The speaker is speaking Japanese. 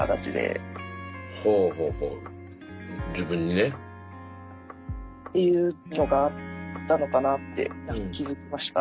自分にね？っていうのがあったのかなって何か気付きました。